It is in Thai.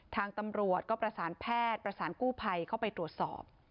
ทางตำรวจก็ประสานแพทย์ประสานกู้ภัยเข้าไปตรวจสอบ